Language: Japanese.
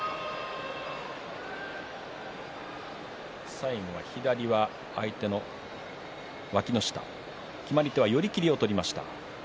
最後は左は相手のわきの下決まり手は寄り切りを取りました。